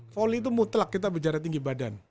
volley itu mutlak kita bicara tinggi badan